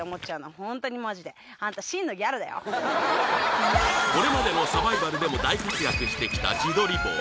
ホントにマジでこれまでのサバイバルでも大活躍してきた自撮り棒